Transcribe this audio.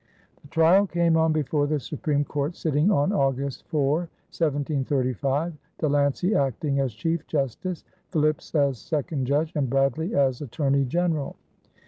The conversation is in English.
The trial came on before the Supreme Court sitting on August 4, 1735, De Lancey acting as Chief Justice, Philipse as second judge, and Bradley as attorney general.